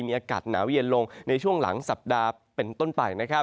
มีอากาศหนาวเย็นลงในช่วงหลังสัปดาห์เป็นต้นไปนะครับ